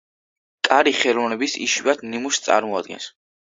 კარი ხელოვნების იშვიათ ნიმუშს წარმოადგენს.